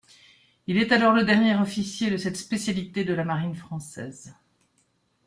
Il est alors le dernier officier de cette spécialité de la marine française.